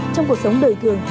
trong cuộc sống đời thường